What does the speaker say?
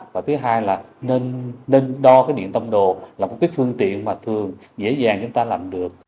và thứ hai là nên đo cái điện tâm đồ là một cái phương tiện mà thường dễ dàng chúng ta làm được